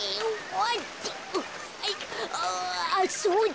あっそうだ。